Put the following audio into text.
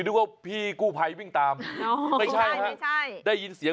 นึกว่าพี่กู้ภัยวิ่งตามไม่ใช่ฮะไม่ใช่ได้ยินเสียง